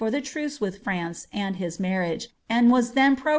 the iruee with Ftauee and his marriage, and leas then prnr...